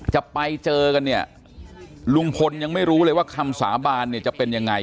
จะไปเจอกันเนี่ยลุงพลยังไม่รู้เลยว่าคำสาบานเนี่ยจะเป็นยังไง